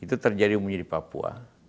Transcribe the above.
itu terjadi di papua